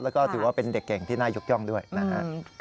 แล้วก็ถือว่าเป็นเด็กเก่งที่น่ายกย่องด้วยนะฮะ